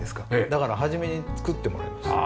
だから初めに作ってもらいました。